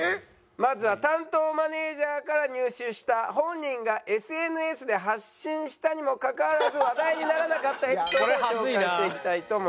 まずは担当マネージャーから入手した本人がＳＮＳで発信したにもかかわらず話題にならなかったエピソードを紹介していきたいと思います。